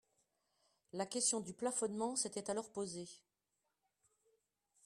La question du plafonnement s’était alors posée.